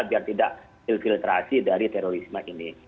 biar tidak infiltrasi dari terorisme ini